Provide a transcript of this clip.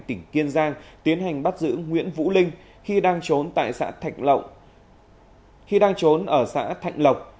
tỉnh kiên giang tiến hành bắt giữ nguyễn vũ linh khi đang trốn ở xã thạnh lộc